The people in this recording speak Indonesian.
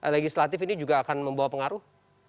legislatif ini juga akan membawa pengaruh